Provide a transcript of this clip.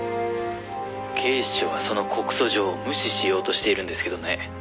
「警視庁はその告訴状を無視しようとしているんですけどね」